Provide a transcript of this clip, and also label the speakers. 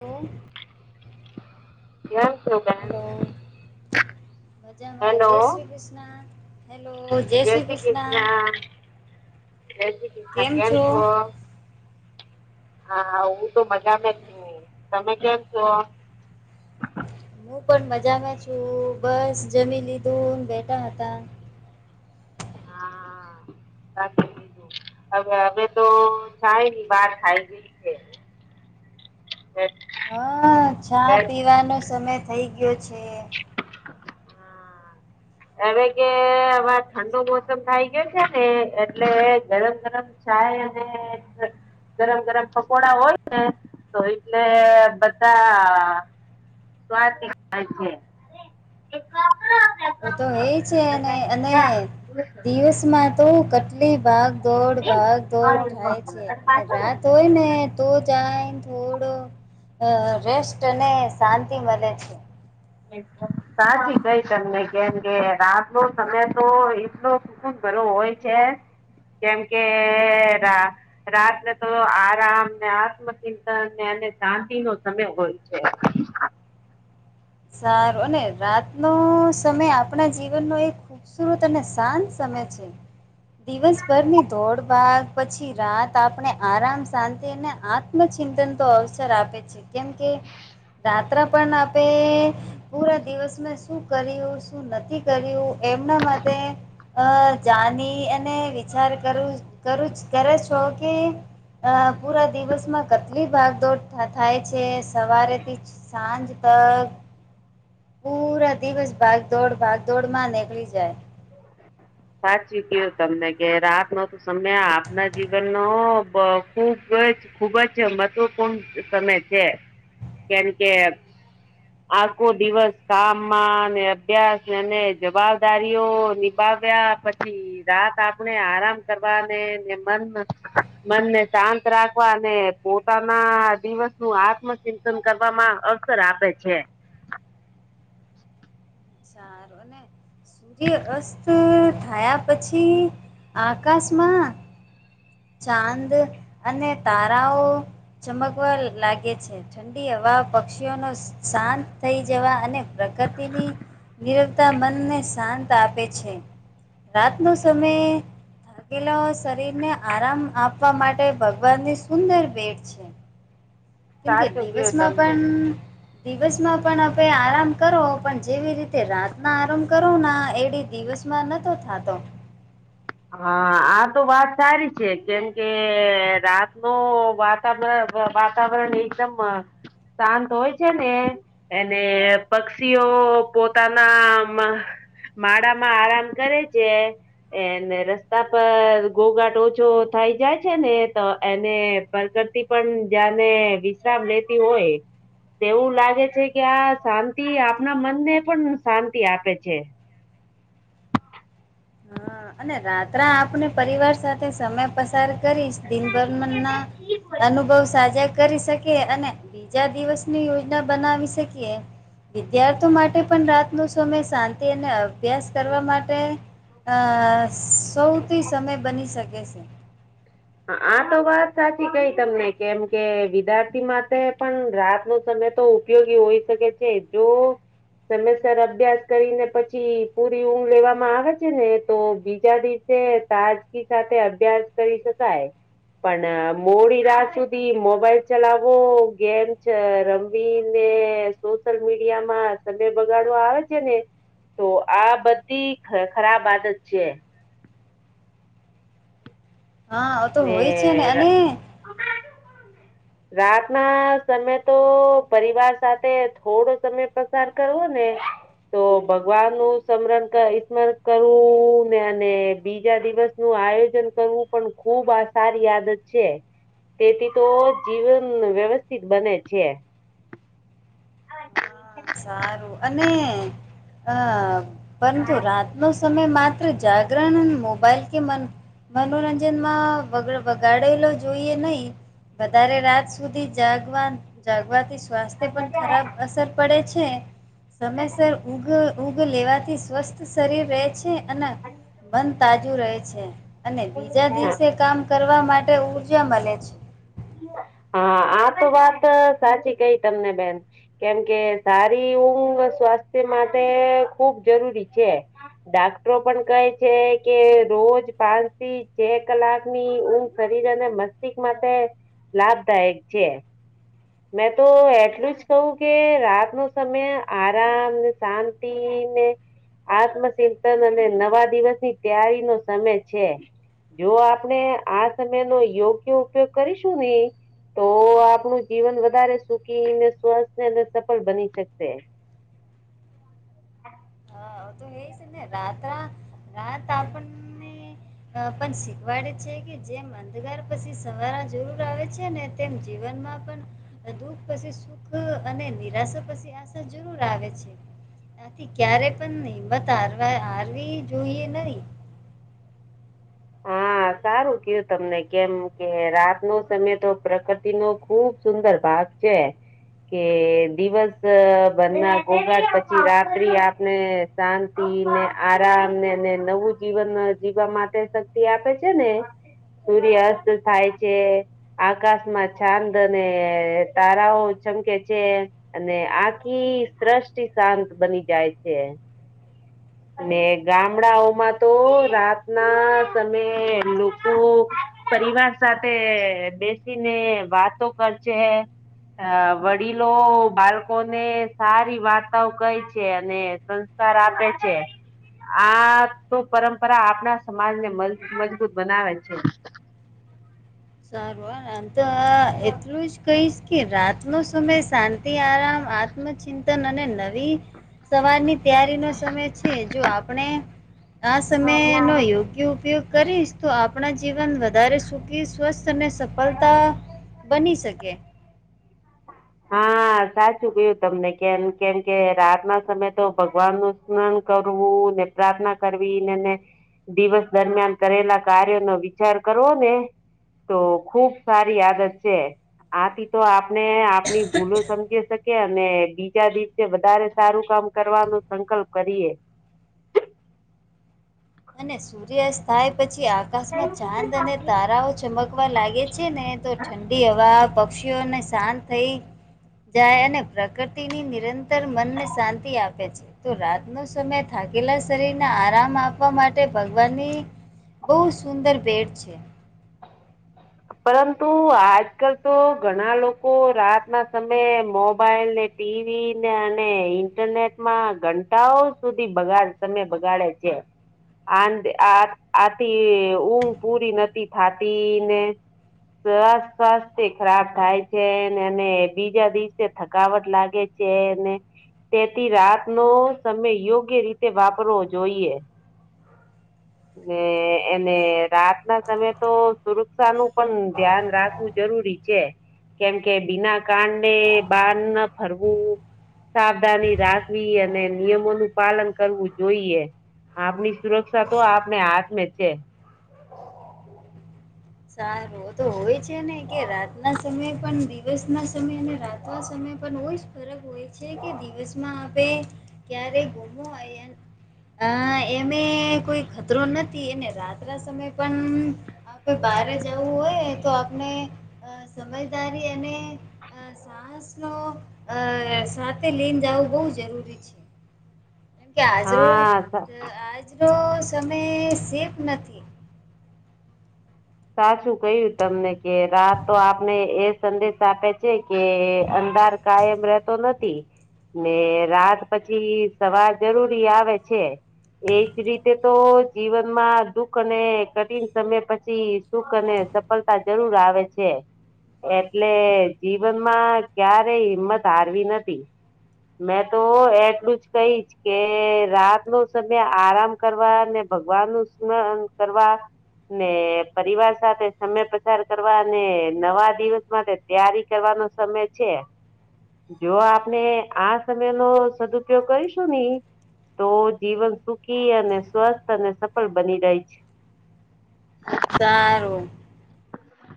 Speaker 1: Hello
Speaker 2: એ
Speaker 1: hello મજમાં
Speaker 2: hello
Speaker 1: જય શ્રી કૃષ્ણ હેલો જય શ્રી કૃષ્ણ
Speaker 2: રજી ક ના કેમ છો હાા આવું તો મજા જ તમે કેમ છો
Speaker 1: હું પણ મજામાં છું બસ જમી લીધું બેઠા હતા [inaudible]
Speaker 2: રાી બીજું હવે હવે તો થાય ને બાર થાઈ ગઈ છે અચ
Speaker 1: હ ચા પીવાનો સમય થઇ ગયો છે
Speaker 2: હા. હવે કે હવે ઠંડુ મોસમ થાય ગયો છે ને એટલે ગરમ ગરમ ચાય ગરમ ગરમ પકોડા હોય ને તો એટલે બધા છે
Speaker 1: તો તો હે છેને અને દિવસમાં તો કેટલી ભાગ દોડ ભાગ દોડ થાય છે અને રાત હોય ને તો જાયને થોડો રેસ્ટ અને શાંતિ મળે છે
Speaker 2: સાચી કઈ તમને કેમ કે રાત નો સમય તો એટલો ઘણ હોય છે જેમ કે રા રાત્રે તો આરામ ને આત્મચિંતન ને અને શાંતિ નો સમય હોય છે
Speaker 1: સારું અને રાતનો સમય આપણા જીવનનો એક સુરત ને શાંત સમય છે દિવસભરની ધોડ બાાગ પછી રાત આપણે આરામ શાંતિને આ ચિંતન તો અવસર આપે છે કેમ કે રાત્ર પણ આપે પૂરા દિવસમાં શું કર્યું શું નથી કર્યું એમના માટે અ જાની અને વિચાર કરું કરું કરે છો કે હ પૂરા દિવસમાં કેટલી ભાગદોડ થાય છે. સવારેથી સાંજ તક પૂરા દિવસ ભાગ દોડ ભાગ દોડ માં નીકળી જાય.
Speaker 2: સાચી કું તમને કે રાત નો તો સમય આપના જીવન નો ખુબ જ ખુબ જ મહત્વપૂર્ણ સમમે છે કેમ કે આખો દિવસ કામમાં અને અભ્યાસ અને જવાબદારીઓ બા ગયા પછી. રાત આપણે આરામ કરવાને મન મન ને શાંત રાખવા અને પોતાના દિવસ નું આત્મચિંતન કરવામાં અસર આપે છે.
Speaker 1: સારને જે અસ્ત થયા પછી આકાશમાં ચાંદ અને તારાઓ ચમકવા લાગે છે. ઠંડી હવા પક્ષીઓનો શાંત થઈ જવા અને પ્રગતિની નિ તા મનને શાંત આપે છે. રાત ન સમય ભાગેલા શરીરને આરામ આપવા માટે ભગવાન ની સુંદર બેટ છે. કેમ કે
Speaker 2: સાચું કયો
Speaker 1: દિવસમાં
Speaker 2: તમને.
Speaker 1: પણ દિવસમાં પણ આપે આરામ કરો પણ જેવી રીતે રાતના આરામ કરો એડી દિવસ ચમાં ન તો થાતોો.
Speaker 2: હા આ તો વાત સારી છે કેમ કે રાતનો વાત વાતાવરણ એકદમ શાંત હોય છે ને અનેને પક્ષીઓ પોતાના માળામાં આરામ કરે છે. એ રસ્તા પર ગોઘાટ ઓછો થાય જાય છે ને તો એને પ્રગતિ પણ જાને વિશ્રામ લેતી હોય. તેવું લાગે છે કે આ શાંતિ આપણા મનને પણ શાંતિ આપે છે.
Speaker 1: હ અને રાત્રે આપને પરિવાર સાથે સમય પસાર કરીશ દિનભરમ ના અનુભવ સાજા કરી શકે અને બીજા દિવસની યોજના બનાવી શકીએ-' વિદ્યાર્થી માટે પણ રાતનો સમય શાંતિ અને અભ્યાસ કરવા માટે અ સૌથી સમય બની શકે છે.
Speaker 2: હ આ તો વાત સાચી કઈ તમને કેમ કે વિદ્યાર્થી માટે પણ રાત નો સમય તો ઉપયોગી હોઈ શકે છે જો સમય સર અભ્યાસ કરીને પછી પૂરી ઊંઘ લેવામાં આવે છે ને તો બીજા દિવસ તે તાજગી સાથે અભ્યાસ કરી શકાય. પણ મોડી રાત સુધી મોબાઈલ ચલાવો ગેમ છે રમવી ને સોશિયલ મીડિયા માં સમય બગાડવા આવે છે ને તો આ બધી ખરાબ આદત છે.
Speaker 1: હા તો હોય છે ને અને
Speaker 2: રાત ના સમમે તો પરિવાર સાથે થોડો સમય પસાર કરવો ને તો ભગવાન નું સ્મરણ સ્મરણ કરું ને અને બીજા દિવસ નું આયોજન કરવું પણ ખુબ આ સારી આદત છે. તેથી તો જીવન વ્યવસ્થિત બને છે. [unintelligible]
Speaker 1: હા સારું અને અ પરંતુ રાત નો સમય માત્ર જાગરણ મોબાઈલ કે મન મનોરંજનમાં વગડ વગાડેલો જોઈએ નહી વધારે રાત સુધી જાગવા જાગવાથી સ્વાસ્થ્ય પણ ખરાબ અસર પડે છે સમયસર ઊઘ ઉઊઘ લેવાથી સ્વસ્થ શરીર રહે છે અને મન તાજું રહે છે અને બીજા દિવસે કામ કરવા માટે ઉઊર્જા મળે છે
Speaker 2: હા આ તો વાત સાચી કઈ તમને બેન કેમ કે સારી ઊંઘ સ્વાસ્થ્ય માટે ખુબ જરૂરી છે. ડાક્ટરો પણ કહે છે કે રોજ પાંચ થી છે કલાક ની ઊંચ ફરી જ ને મસ્ત્ક માટે લાભદાયક છે. મેં તો એટલું જ કહું કે રાતનો સમય આરામને શાંતિ ને આત્મચિંતન અને નવા દિવસ ની તૈયારી નો સમય છે જો આપણે આ સમય નો યોગ્ય ઉપયોગ કરીશું ને. તો આપણું જીવન વધારે સુખી ને સ્વસ્થ અને સફળ બની શકશે.
Speaker 1: હા તો હ છે ને રાત્ર રાત આપણને અ પણ સીખવાડે છે કે જેમ અંધગાર પછી સવાર જરૂર આવે છે ને તેમ જીવનમાં પણ દુઃખ પછી સુખ અને નિરાશા પછી આશા જરૂર આવે છે. આથી ક્યારે પણ હિંમત હારવા હારવી જોઈએ નહી.
Speaker 2: હા
Speaker 1: [inaudible]
Speaker 2: સારું કું તમને કેમ કે રાતનો સમય તો પ્રકૃતિ નો ખુબ સુંદર ભાગ છે. કે દિવસ ભરના ભોગા પછી રાત્રિ આપને શાંતિ ને આરામને નવું જીવન જીવવા માટે શક્તિ આપે છે. ને સૂર્યાસ્ત થાય છે. આકાશમાં છાંદ અને તારાઓ ચમકે છે અને આખી સ્રષ્ટિ શાંત બની જાય છે. અને ગામડાઓમાં તો રાત ના સમયે લોકો. પરિવાર સાથે બેસીને વાતો કર છે. અ વડીલો બાળકો ને સારી વાર્તાઓ કઈ છે અને સંસ્કાર આપે છે.
Speaker 1: [inaudible]
Speaker 2: આ તો પરંપરા આપણા સમાજને મજબૂત બનાવે છે.
Speaker 1: સારુંમ તો એટલું જ કઈશ. રાતનો સમય શાંતિ આરામ આત્મચિંતન અને નવી સવારની. તારીનો સમય છે જો આપણે આ સમયે યોગ્ય. ઉપયોગ કરીશ તો આપણા જીવન વધારે સુકીશ સ્વસ્થ અને સફળતા બની શકે
Speaker 2: હા હા સાચું કયું તમને કેમ કેમ કે રાત ના સમયે તો ભગવાન નું સ્નાન કરવું ને. પ્રાર્થના કરવી નેને. દિવસ દરમિયાન કરેલા કાર્યો નો વિચાર કરવો ને તો ખુબ સારી આદત છે આથી તો આપણે આપની ભૂલો સમજી શકી અને બીજા દિવસે. વધારે સારું કામ કરવાનો સંકલ્પ કરીએ
Speaker 1: અને સૂર્યાસ્ત થાય પછી આકાશમાં ચાંદ અને તારાઓ. ચમકવા લાગે છે ને તો ઠંડી હવા પક્ષીઓને શાંત થઈ. જાય અને પ્રકૃતિની નિરંતર મનને શાંતિ આપે છે. તો રાતનો સમય થાકેલા શરીરને આરામ આપ. આપવા માટે ભગવાનની બહ સુંદર ભેટ છે.
Speaker 2: પરંતુ આજ કલ તો ઘણા લોકો રાત ના સમયે મોબાઈલ ને. ટીવી ને અને ઇન્ટરનેટમાં ઘંટાઓ સુધી બગાડ [unintelligible] બગાડે છે. આ આ આથી ઊંઘ પૂરી નથી થતી ને સરસ સ્વાસ્થ્ય ખરાબ થાય છે એને બીજા દિવસે થકાવટ લાગે છે. ને તેથી રાતનો સમય યોગ્ય રીતે વાપ વાપરવો જઈએ.
Speaker 1: [inaudible]
Speaker 2: ને એને રાત ના સમયે તો સુરક્ષા નું પણ ધ્યાન રાખવું જરૂરી કેમ કે બિના કાંને બાર ના ફરવું સાવધાની રાખવી અને નિયમો નું પાલન કરવું. જોઈએ આપની સુરક્ષા તો આપને હાથમે છે.
Speaker 1: સારું તો હોય છે, ને કે રાત ના સમયે પણ દિવસ ના સમય ને રાત તો આ સમય બહુંજ ફરક હોય છે કે દિવસમાં આપે ક્યારે ગુમોવું એમ અ એમે કોઈ ખતરો નથી એને રાત્રના સમયે પણ બહારે જવું હોય તો આપને સમજદારી અને સાહસનો સાથે લીન જવું બહુ જરૂરી છે. કેમ કે આજરો
Speaker 2: હા સા
Speaker 1: આજનો સમય સેફ નથી
Speaker 2: સાચું કહું તમને કે રાત તો આપણે એ સંદેશ આપે છે, કે અંધાર કાયમ રેતો નથી. ને રાત પછી સવાર જરૂરી આવે છે. એજ રીતે તો જીવનમાં દુઃખ અને કઠિન સમય પછી સુખ અને સફળતા જરૂર આવે છે. એટલે જીવનમાં ક્યારે હિંમત હારવી નથી મેં તો એટલું જ કહીશ કે રાત નો સમય આરામ કરવા ને ભગવાન નું સ્મરણ કરવા ને પરિવાર સાથે સમય પસાર કરવા અને નવા દિવસ માટે તૈયારી કરવાનો સમય છે.
Speaker 1: [inaudible]
Speaker 2: જો આપને આ સમયનો સદઉપયોગ કરીશું ને તો જીવન સુખી અને સ્વસ્થ અને સફળ બની જાય છે. હા.
Speaker 1: સારું.